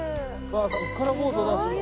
ここからボート出すの？